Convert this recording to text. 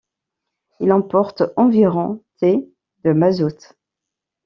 Ils emportent environ t. de mazout.